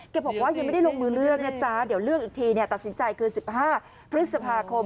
บอกว่ายังไม่ได้ลงมือเลือกนะจ๊ะเดี๋ยวเลือกอีกทีตัดสินใจคือ๑๕พฤษภาคม